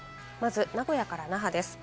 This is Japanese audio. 名古屋から那覇です。